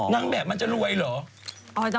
นางแบบมันจะรวยเหรอ